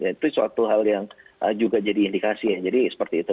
itu suatu hal yang juga jadi indikasi ya jadi seperti itu